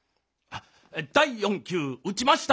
第４球打ちました！